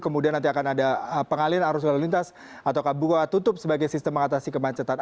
kemudian nanti akan ada pengalian arus lalu lintas atau buka tutup sebagai sistem mengatasi kemacetan